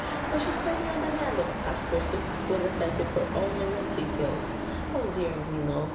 "Was she standing on the handle?" asked Percy, who had a fancy for all minute details. "Oh, dear me, no!"